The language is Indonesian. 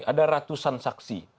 ada ratusan saksi